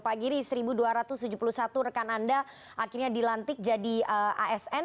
pak giri seribu dua ratus tujuh puluh satu rekan anda akhirnya dilantik jadi asn